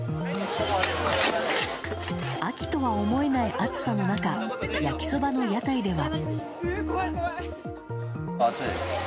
秋とは思えない暑さの中焼きそばの屋台では。